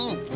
neng ya ya